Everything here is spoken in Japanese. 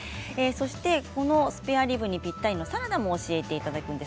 このスペアリブにぴったりのサラダも教えていただきます。